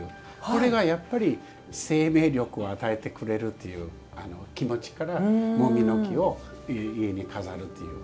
これが生命力を与えてくれるっていう気持ちからもみの木を家に飾るっていう。